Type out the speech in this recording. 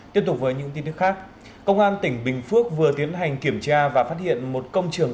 tiếp tục với những tin tức khác công an tỉnh bình phước vừa tiến hành kiểm tra và phát hiện một công trường